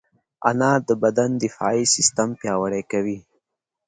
انار د بدن دفاعي سیستم پیاوړی کوي.